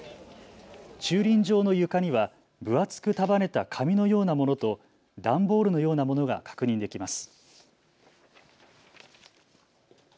駐輪場の床には分厚く束ねた紙のようなものと段ボールのようなものが確認できます。